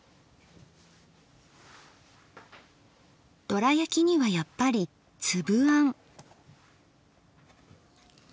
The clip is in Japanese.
ドラやきにはやっぱりつぶあん。